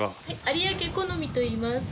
有明木実といいます。